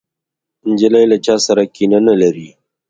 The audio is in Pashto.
نجلۍ له چا سره کینه نه لري.